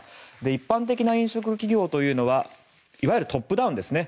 一般的な飲食企業というのはいわゆるトップダウンですね。